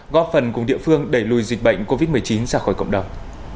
góp phần cùng địa phương đẩy lùi dịch bệnh covid một mươi chín ra khỏi cộng đồng